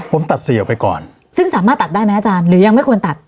ผมตัดสี่ออกไปก่อนซึ่งสามารถตัดได้ไหมอาจารย์หรือยังไม่ควรตัด